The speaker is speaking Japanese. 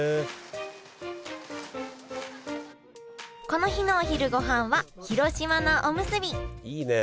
この日のお昼ごはんは広島菜おむすびいいね！